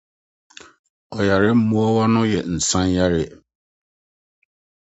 Ɔyare mmoawa yɛ nsanyare.